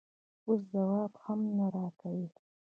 اوس ځواب هم نه راکوې؟